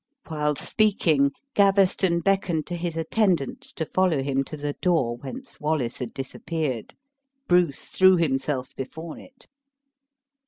While speaking, Gaveston beckoned to his attendants to follow him to the door whence Wallace had disappeared. Bruce threw himself before it.